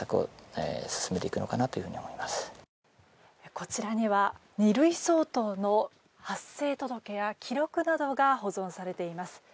こちらには２類相当の発生届や記録などが保存されています。